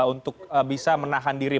untuk bisa menahan diri